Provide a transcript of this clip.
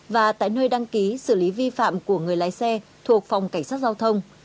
và tại nơi đăng ký xử lý vi phạm của người lái xe thuộc phòng cảnh sát giao thông